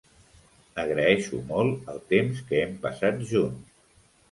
Agraeixo molt el temps que hem passat junts.